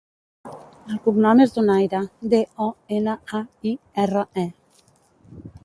El cognom és Donaire: de, o, ena, a, i, erra, e.